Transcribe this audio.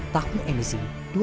tahun emisi dua ribu dua puluh